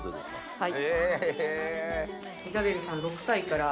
はい。